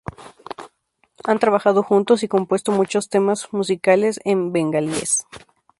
Han trabajado juntos y compuesto muchas temas musicales en bengalíes.